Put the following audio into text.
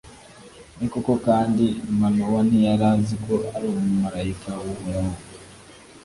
ni koko kandi, manowa ntiyari azi ko ari umumalayika w'uhoraho